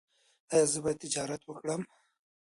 ایا زه باید تجارت وکړم؟